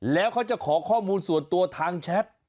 แล้วเขาจะขอข้อมูลส่วนตัวทางแชท